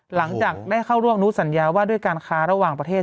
หลังจากได้เข้าร่วมอนุสัญญาว่าด้วยการค้าระหว่างประเทศ